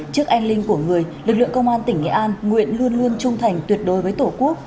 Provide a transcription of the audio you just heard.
trước anh linh của người lực lượng công an tỉnh nghệ an nguyện luôn luôn trung thành tuyệt đối với tổ quốc